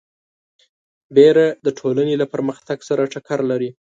وېره د ټولنې له پرمختګ سره ټکر لري.